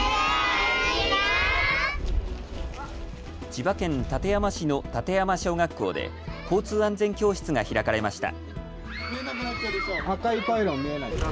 千葉県館山市の館山小学校で交通安全教室が開かれました。